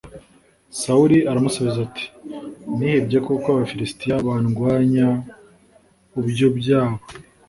sawuli aramusubiza ati “nihebye kuko abafilisitiya bandwanya ubyobyabo